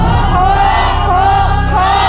โฆโฆโฆโฆ